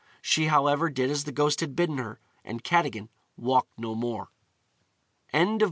She however did as the ghost had bidden her, and Cadogan walked no more. CHAPTER II.